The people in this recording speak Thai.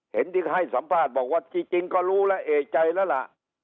เห็นที่ให้สัมภาษณ์บอกว่าจริงก็รู้แล้วเอกใจแล้วล่ะ